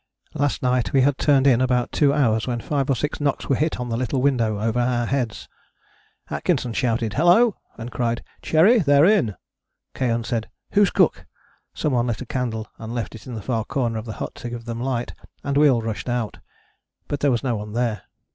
"Last night we had turned in about two hours when five or six knocks were hit on the little window over our heads. Atkinson shouted 'Hullo!' and cried, 'Cherry, they're in.' Keohane said, 'Who's cook?' Some one lit a candle and left it in the far corner of the hut to give them light, and we all rushed out. But there was no one there.